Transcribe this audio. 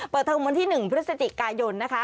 เทอมวันที่๑พฤศจิกายนนะคะ